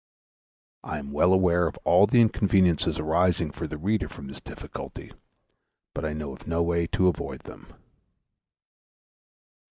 I am well aware of all the inconveniences arising for the reader from this difficulty, but I know of no way to avoid them.